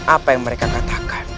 apa yang mereka katakan